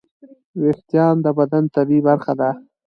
وېښتيان د بدن طبیعي برخه ده.